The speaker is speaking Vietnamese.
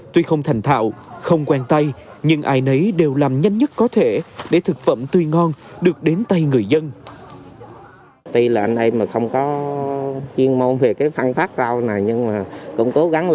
tuy không thành thạo không quen tay nhưng ai nấy đều làm nhanh nhất có thể để thực phẩm tươi ngon được đến tay người dân